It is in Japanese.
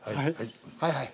はいはい。